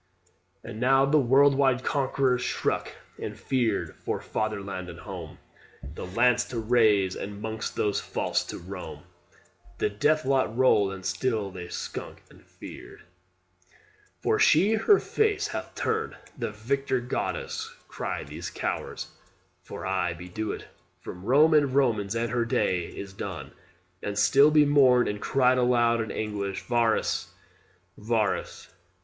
And now the world wide conquerors shrunk and feared For fatherland and home The lance to raise; and 'mongst those false to Rome The death lot rolled, and still they shrunk and feared; "For she her face hath turned, The victor goddess," cried these cowards (for aye Be it!) "from Rome and Romans, and her day Is done!" And still be mourned And cried aloud in anguish "Varus! Varus!